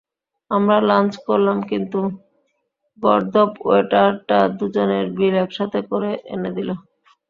আমরা লাঞ্চ করলাম, কিন্তু গর্দভ ওয়েটার টা দুজনের বিল একসাথে করে এনে দিল।